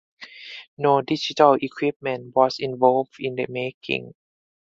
No digital equipment was involved in the making.